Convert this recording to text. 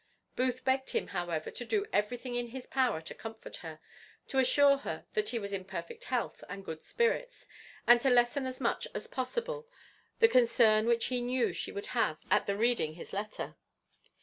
Booth begged him, however, to do everything in his power to comfort her; to assure her that he was in perfect health and good spirits; and to lessen as much as possible the concern which he knew she would have at the reading his letter.